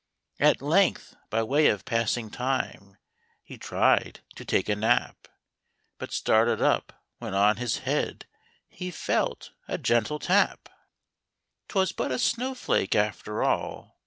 At length, by way of passing time, He tried to take a nap, But started up, when on his head He felt a gentle tap. 'Twas but a snow flake, after all